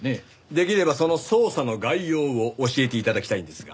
できればその捜査の概要を教えて頂きたいんですが。